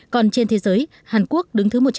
còn trên thế giới hàn quốc đứng thứ một trăm một mươi tám